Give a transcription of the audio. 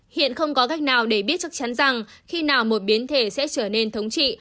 hiện không có cách nào để biết chắc chắn rằng khi nào một biến thể sẽ trở nên thống trị